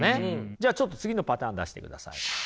じゃあちょっと次のパターン出してください。